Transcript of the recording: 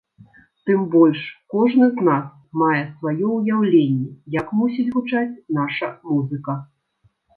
Тым больш кожны з нас мае сваё ўяўленне, як мусіць гучаць наша музыка.